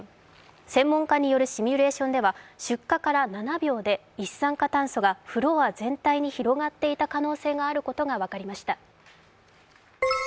専門家によるシミュレーションでは出火から７秒で、一酸化炭素がフロア全体に広がっていた可能性のあることが分かりました。